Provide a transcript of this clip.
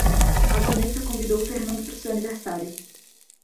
A Vanessa convidou o Fernando pro seu aniversário.